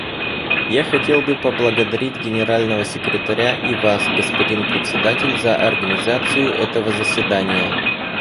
Я хотел бы поблагодарить Генерального секретаря и Вас, господин Председатель, за организацию этого заседания.